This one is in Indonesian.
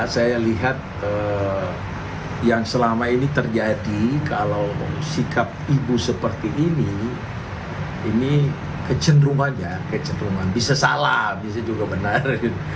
saya lihat yang selama ini terjadi kalau sikap ibu seperti ini ini kecenderungannya kecenderungan bisa salah bisa juga benar